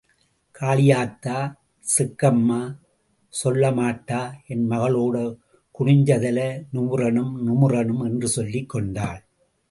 காளியாத்தா... செக்கம்மா... சொள்ளமாடா... என் மகளோட குனிஞ்சதல நிமுறணும்... நிமுறணும் என்று சொல்லிக் கொண்டாள்.